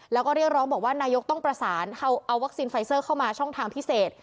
แล้วก็เรียกร้องบอกว่านายกต้องประสานเอาวัคซีนไฟเซอร์เข้ามาช่องทางพิเศษ